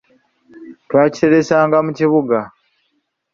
Twakiteresanga mu kibuga.